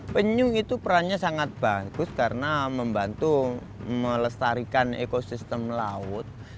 penyu itu perannya sangat bagus karena membantu melestarikan ekosistem laut